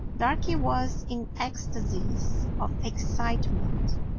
Darky was in ecstasies of excitement.